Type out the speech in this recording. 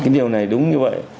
cái điều này đúng như vậy